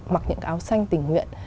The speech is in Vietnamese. mặc những áo xanh tình nguyện